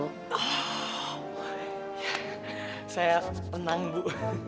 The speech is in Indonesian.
oh ya saya tenang bu